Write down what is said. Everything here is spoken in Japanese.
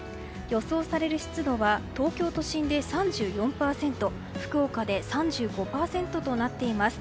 予想される湿度は東京都心で３４％福岡で３５％となっています。